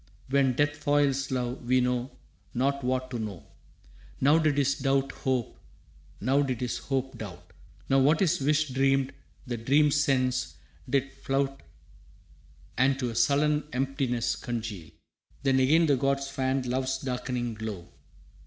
When death foils love we know not what to know. Now did his doubt hope, now did his hope doubt. Now what his wish dreamed the dream's sense did flout And to a sullen emptiness congeal. Then again the gods fanned love's darkening glow.